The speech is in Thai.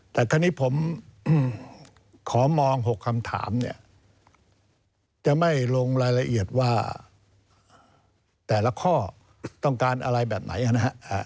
แต่คราวนี้ผมขอมอง๖คำถามเนี่ยจะไม่ลงรายละเอียดว่าแต่ละข้อต้องการอะไรแบบไหนนะฮะ